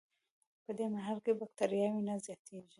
پدې مرحله کې بکټریاوې نه زیاتیږي.